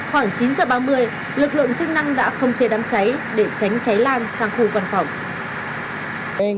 khoảng chín h ba mươi lực lượng chức năng đã không chế đám cháy để tránh cháy lan sang khu văn phòng